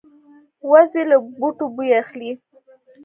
وزې له بوټو بوی اخلي